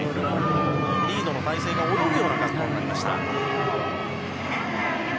リードの体勢が泳ぐような格好になりました。